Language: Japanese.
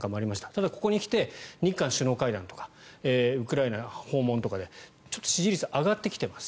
ただ、ここに来て日韓首脳会談とかウクライナ訪問とかでちょっと支持率が上がってきています。